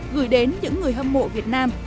gửi đến những người hâm mộ việt nam